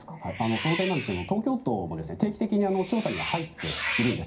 その点ですが、東京都も定期的に調査に入っています。